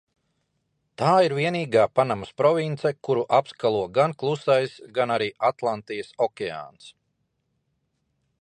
Tā ir vienīgā Panamas province, kuru apskalo gan Klusais, gan arī Atlantijas okeāns.